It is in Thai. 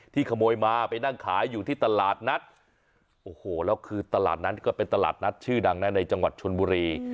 ขโมยมาไปนั่งขายอยู่ที่ตลาดนัดโอ้โหแล้วคือตลาดนั้นก็เป็นตลาดนัดชื่อดังนะในจังหวัดชนบุรี